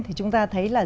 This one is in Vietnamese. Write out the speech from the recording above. thì chúng ta thấy là